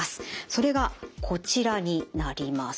それがこちらになります。